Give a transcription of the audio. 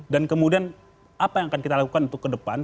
dan kemudian apa yang akan kita lakukan untuk ke depan